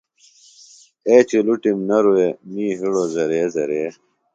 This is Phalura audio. اے چلُٹم نہ رُویہ می ہِڑو زرے زرے۔